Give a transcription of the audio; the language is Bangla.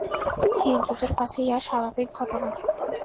হিন্দুদের কাছে ইহা স্বাভাবিক ঘটনা।